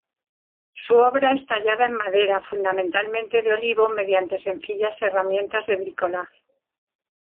Su obra es tallada en madera, fundamentalmente de olivo, mediante sencillas herramientas de bricolaje.